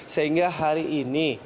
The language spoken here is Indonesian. sehingga hari ini